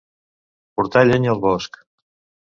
Portar llenya al bosc.